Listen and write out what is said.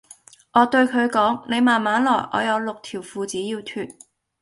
我對佢講:你慢慢來,我有六條褲子要脫